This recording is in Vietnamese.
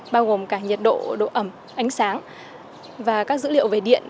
bao gồm cả nhiệt độ độ ẩm ánh sáng và các dữ liệu về điện